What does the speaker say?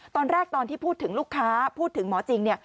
ตอนแรกตอนที่พูดถึงลูกค้าพูดถึงหมอจริงเนี่ย